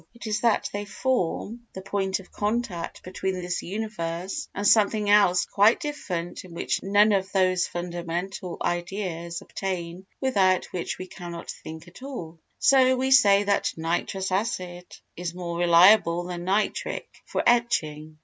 It is they that form the point of contact between this universe and something else quite different in which none of those fundamental ideas obtain without which we cannot think at all. So we say that nitrous acid is more reliable than nitric for etching.